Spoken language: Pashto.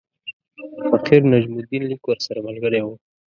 د فقیر نجم الدین لیک ورسره ملګری وو.